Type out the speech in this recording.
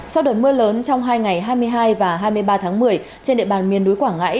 sau đợt mưa lớn trong hai ngày hai mươi hai và hai mươi ba tháng một mươi trên địa bàn miền núi quảng ngãi